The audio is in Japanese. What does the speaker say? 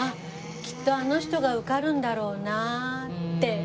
きっとあの人が受かるんだろうなって。